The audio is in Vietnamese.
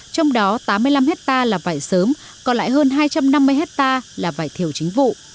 trong đó tám mươi năm hectare là vải sớm còn lại hơn hai trăm năm mươi hectare là vải thiều chính vụ